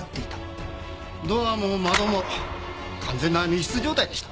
ドアも窓も完全な密室状態でしたわ。